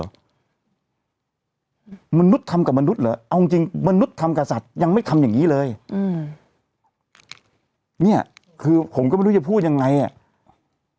เอาจริงจริงมนุษย์ทำกับสัตว์ยังไม่ทำอย่างงี้เลยอืมเนี้ยคือผมก็ไม่รู้จะพูดยังไงอ่ะ